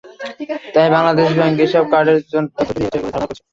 তাই বাংলাদেশ ব্যাংক এসব কার্ডের তথ্য চুরি হয়েছে বলে ধারণা করছে।